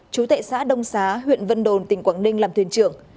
chú tệ xã đông xá huyện vân đồn tỉnh quảng ninh làm thuyền trưởng